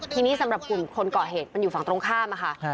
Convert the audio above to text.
ทีนี้สำหรับกลุ่มคนเกาะเหตุมันอยู่ฝั่งตรงข้ามค่ะ